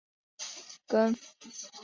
跟随李文忠一道入福建。